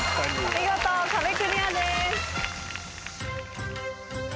見事壁クリアです。